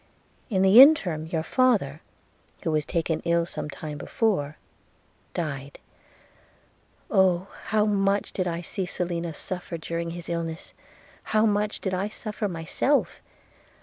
In the interim your father, who was taken ill some time before, died. – Oh! how much did I see Selina suffer during his illness – how much did I suffer myself!